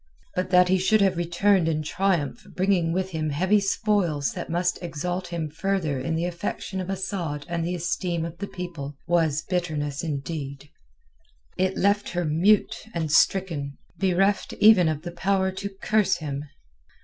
But that he should have returned in triumph bringing with him heavy spoils that must exalt him further in the affection of Asad and the esteem of the people was bitterness indeed. It left her mute and stricken, bereft even of the power to curse him.